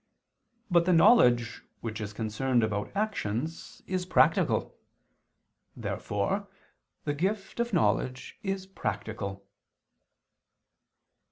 But the knowledge which is concerned about actions is practical. Therefore the gift of knowledge is practical.